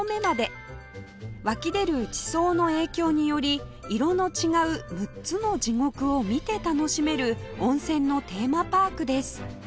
湧き出る地層の影響により色の違う６つの地獄を見て楽しめる温泉のテーマパークです